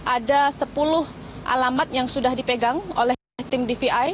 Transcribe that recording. ada sepuluh alamat yang sudah dipegang oleh tim dvi